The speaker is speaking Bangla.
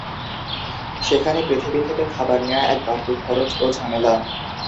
সেখানে পৃথিবী থেকে খাবার নেয়া এক বাড়তি খরচ ও ঝামেলা।